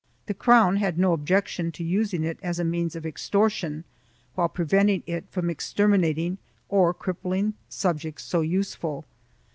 The crown had no objection to using it as a means of extortion, while preventing it from exterminating or crippling subjects so useful.